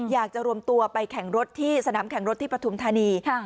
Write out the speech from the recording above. อยากจะรวมตัวไปแข่งรถที่สนามแข่งรถที่ปฐุมธานี